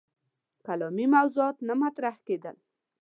کلامي موضوعات نه مطرح کېدل.